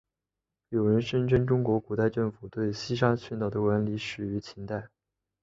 有人声称中国古代政府对西沙群岛的管理始于秦代。